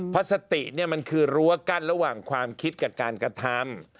เพราะสติมันคือรั้วกั้นระหว่างความคิดกับการกระทำ